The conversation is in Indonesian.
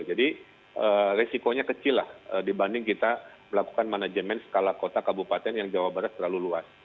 jadi resikonya kecil lah dibanding kita melakukan manajemen skala kota kabupaten yang jawa barat terlalu luas